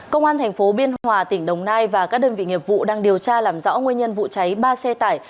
công an tp biên hòa tỉnh đồng nai và các đơn vị nghiệp vụ đang điều tra làm rõ nguyên nhân vụ cháy ba xe tải